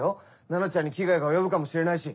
菜奈ちゃんに危害が及ぶかもしれないし。